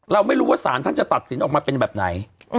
เราไม่รู้ว่าสารท่านจะตัดสินออกมาเป็นแบบไหน